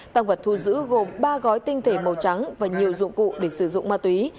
tăng vật thu giữ gồm ba gói tinh thể màu trắng và nhiều dụng cụ để sử dụng ma túy